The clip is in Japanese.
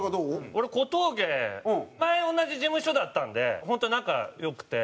俺小峠前同じ事務所だったんで本当仲良くて。